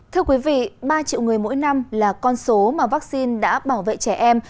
thưa quý vị ba triệu người mỗi năm là con số mà vắc xin đã bảo vệ trẻ em